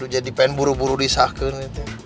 jadi pengen buru buru disahkan